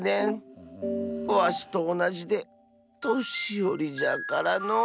わしとおなじでとしよりじゃからのう。